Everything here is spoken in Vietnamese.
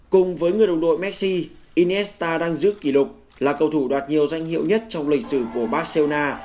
cùng với người đồng đội messi inesta đang giữ kỷ lục là cầu thủ đoạt nhiều danh hiệu nhất trong lịch sử của barceuna